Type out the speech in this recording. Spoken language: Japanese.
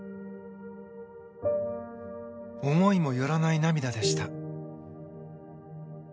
思いもよらない涙でした。